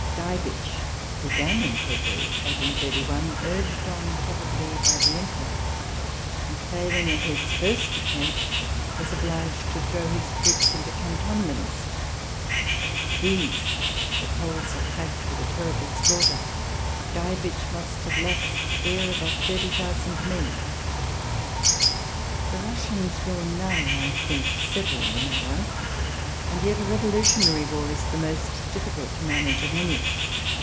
Diebitsch* began in February , urged on, probably, by the Emperor; and, failing in his first attempt, was obliged to throw his troops into cantonments. These the Poles attacked, with a terrible slaughter. Diebitsch must have lost there above 30,000 men. The Russians will now,f I think, settle the matter ; and yet a revolutionary war is the most difficult to manage of any.